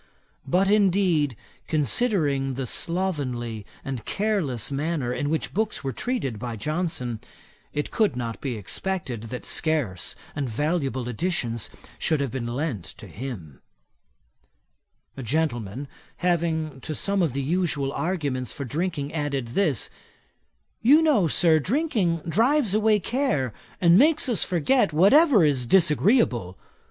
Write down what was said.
But, indeed, considering the slovenly and careless manner in which books were treated by Johnson, it could not be expected that scarce and valuable editions should have been lent to him. A gentleman having to some of the usual arguments for drinking added this: 'You know, Sir, drinking drives away care, and makes us forget whatever is disagreeable.